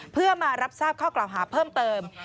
เพื่อมารับทราบข้อกล่าวหาเพิ่มเติม